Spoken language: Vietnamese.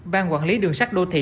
ban quản lý đường sắt đô thị